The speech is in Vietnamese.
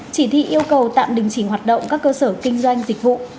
chỉ thị yêu cầu tạm đình chỉ hoạt động các cơ sở kinh doanh dịch vụ